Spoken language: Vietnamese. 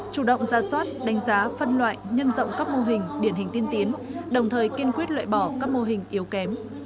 chủ động ra soát đánh giá phân loại nhân rộng các mô hình điển hình tiên tiến đồng thời kiên quyết lợi bỏ các mô hình yếu kém